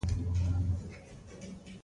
د کلاګانو شاوخوا به لوړ برجونه ولاړ وو.